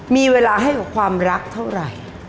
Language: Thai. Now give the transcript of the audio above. มีเวลาให้กับความรักเท่าไหร่